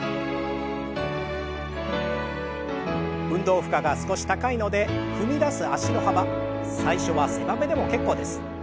運動負荷が少し高いので踏み出す脚の幅最初は狭めでも結構です。